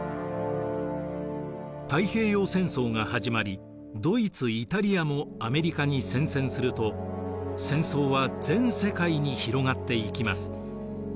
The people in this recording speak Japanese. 太平洋戦争が始まりドイツイタリアもアメリカに宣戦すると戦争は全世界に広がっていきます。